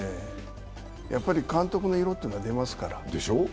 やはり監督の色というのは出ますから。